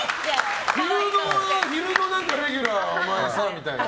昼のレギュラーお前さみたいな。